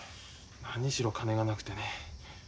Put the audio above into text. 何しろ金がなくてね。